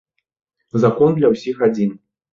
Закон для ўсіх адзін.